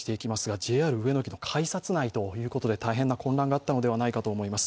ＪＲ上野駅の改札内ということで、大変な混乱があったのではないかと思います。